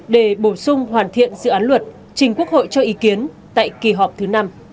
để bổ sung hoàn thiện dự án luật trình quốc hội cho ý kiến tại kỳ họp thứ năm